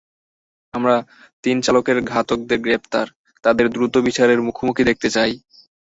আমরা তিন চালকের ঘাতকদের গ্রেপ্তার, তাদের দ্রুত বিচারের মুখোমুখি দেখতে চাই।